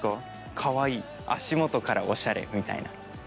かわいい足元からオシャレみたいな。